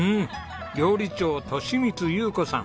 料理長利光優子さん。